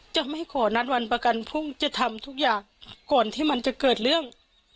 จะไม่ขอนัดวันประกันพรุ่งจะทำทุกอย่างก่อนที่มันจะเกิดเรื่อง